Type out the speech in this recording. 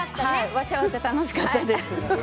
わちゃわちゃ楽しかったです。